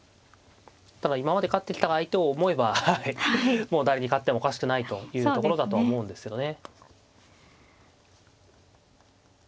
ただ今まで勝ってきた相手を思えばもう誰に勝ってもおかしくないというところだとは思うんですけどね。